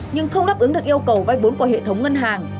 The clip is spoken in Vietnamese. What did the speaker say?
nhưng không đáp ứng được yêu cầu vay vốn của hệ thống ngân hàng